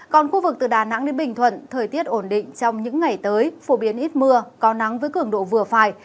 còn khu vực từ đà nẵng đến bình thuận thời tiết ổn định trong những ngày tới phổ biến ít mưa có nắng với cường độ vừa phải